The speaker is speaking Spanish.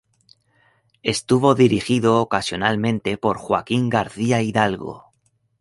Estuvo dirigido ocasionalmente por Joaquín García Hidalgo.